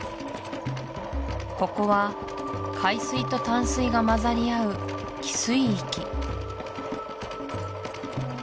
ここは海水と淡水が混ざり合う汽水域